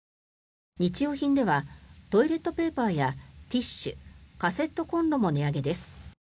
日用品ではトイレットペーパーやティッシュカセットコンロも値上げです。